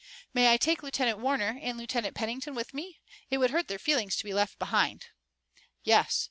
"May I take Lieutenant Warner and Lieutenant Pennington with me? It would hurt their feelings to be left behind." "Yes.